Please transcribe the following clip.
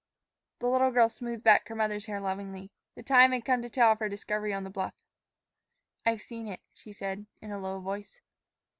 The little girl smoothed back her mother's hair lovingly. The time had come to tell of her discovery on the bluff. "I've seen it," she said in a low voice.